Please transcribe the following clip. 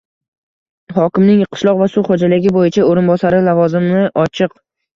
Hokimning qishloq va suv xo'jaligi bo'yicha o'rinbosari lavozimi ochiq.